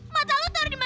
mata lu taruh di mana